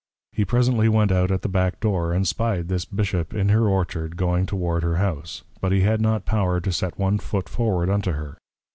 He presently went out at the Back door, and spied this Bishop, in her Orchard, going toward her House; but he had not power to set one foot forward unto her.